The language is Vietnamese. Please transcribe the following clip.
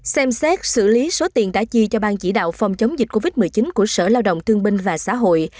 xem xét xử lý số tiền đã chi cho ban chỉ đạo phòng chống dịch covid một mươi chín của sở lao động thương binh và xã hội